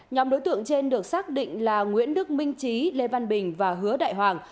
nhóm đối tượng trên được xác định là nguyễn đức minh trí lê văn bình và hứa đại hoàng